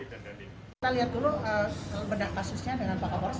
kita lihat dulu bedah kasusnya dengan pak kapolres